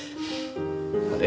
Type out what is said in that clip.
あれ？